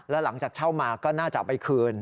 แล้วหลังจากเช่ามาก็น่าจะเอาไปคืน